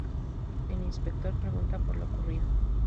El inspector pregunta por lo ocurrido.